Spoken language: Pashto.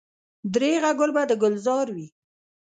درېغه ګل به د ګلزار وي.